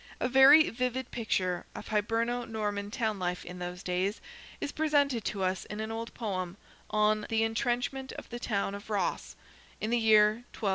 A very vivid picture of Hiberno Norman town life in those days is presented to us in an old poem, on the "Entrenchment of the Town of Ross," in the year 1265.